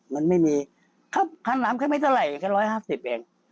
มันไม่มีค่าน้ำแค่ไม่เท่าไหร่แค่๑๕๐เอง